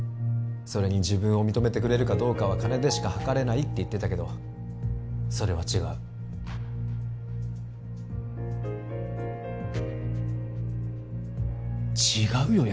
それに自分を認めてくれるかどうかは金でしかはかれないって言ってたけどそれは違う違うよ